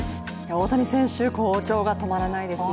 大谷選手、好調が止まらないですね。